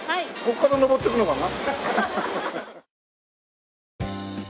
ここから上っていくのかな？